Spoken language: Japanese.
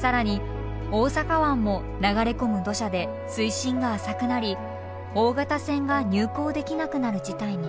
更に大阪湾も流れ込む土砂で水深が浅くなり大型船が入港できなくなる事態に。